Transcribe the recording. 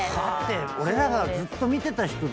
俺らがずっと見てた人でしょ。